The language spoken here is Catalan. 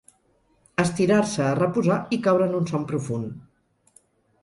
Estirar-se a reposar i caure en un son profund.